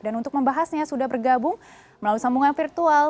dan untuk membahasnya sudah bergabung melalui sambungan virtual